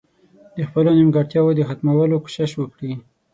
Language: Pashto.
د خپلو نيمګړتياوو د ختمولو کوشش وکړي.